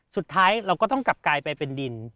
สุดท้ายเราก็ต้องกลับกลายไปเป็นดิน